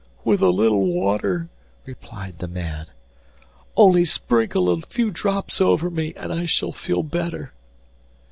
'With a little water,' replied the man; 'only sprinkle a few drops over me and I shall feel better.